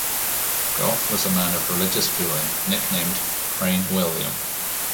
Goffe was a man of religious feeling, nicknamed "Praying William".